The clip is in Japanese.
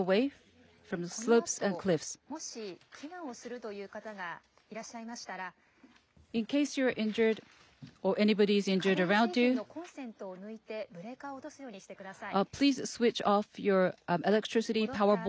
このあと、もし避難をするという方がいらっしゃいましたら、家電製品のコンセントを抜いて、ブレーカーを落とすようにしてください。